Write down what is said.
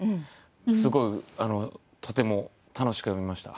すごいとても楽しく読みました。